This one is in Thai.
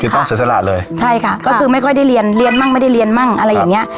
ต้องเสียสละเลยใช่ค่ะก็คือไม่ค่อยได้เรียนเรียนมั่งไม่ได้เรียนมั่งอะไรอย่างเงี้ย